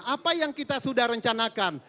apa yang kita sudah rencanakan